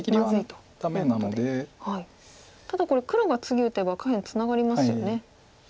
ただこれ黒が次打てば下辺ツナがりますよね。